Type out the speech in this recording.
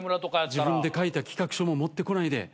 自分で書いた企画書も持ってこないで。ね？